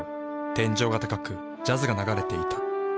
天井が高くジャズが流れていた。